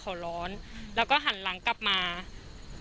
ก็กลายเป็นว่าติดต่อพี่น้องคู่นี้ไม่ได้เลยค่ะ